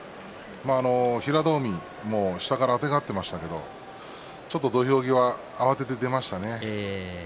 平戸海も下からあてがっていましたけれどもちょっと土俵際慌てて出ましたね。